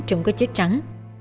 chống các chết trắng